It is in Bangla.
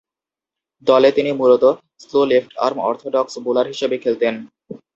দলে তিনি মূলতঃ স্লো লেফট-আর্ম অর্থোডক্স বোলার হিসেবে খেলতেন।